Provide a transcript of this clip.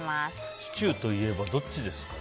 シチューといえばどっちですかね。